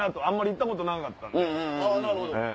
あんまり行ったことなかったんで。